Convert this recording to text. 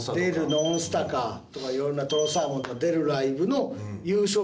ノンスタか。とか色んなとろサーモンとか出るライブの。